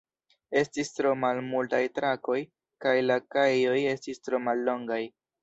Estis tro malmultaj trakoj kaj la kajoj estis tro mallongaj.